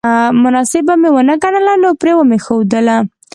مناسبه مې ونه ګڼله نو پرې مې ښودله